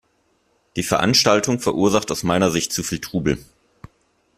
Die Veranstaltung verursacht aus meiner Sicht zu viel Trubel.